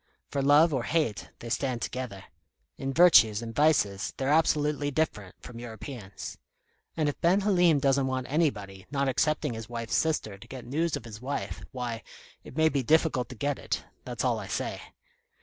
For love or hate, they stand together. In virtues and vices they're absolutely different from Europeans. And if Ben Halim doesn't want anybody, not excepting his wife's sister, to get news of his wife, why, it may be difficult to get it, that's all I say.